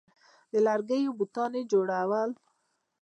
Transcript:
د لرګیو بتان یې جوړول